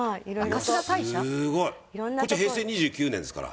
すごい！こっちは平成２９年ですから。